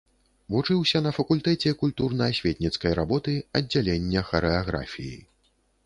Вучыўся на факультэце культурна-асветніцкай работы, аддзялення харэаграфіі.